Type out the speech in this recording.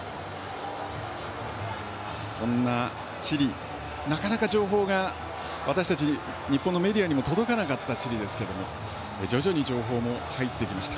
そんなチリ、なかなか情報が私たち日本のメディアにも届かなかったチリですけれども徐々に情報も入ってきました。